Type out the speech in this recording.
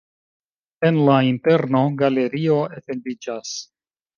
En la interno galerio etendiĝas.